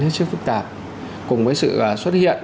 hết sức phức tạp cùng với sự xuất hiện